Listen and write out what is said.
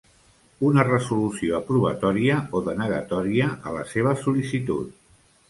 Una resolució aprovatòria o denegatòria a la seva sol·licitud.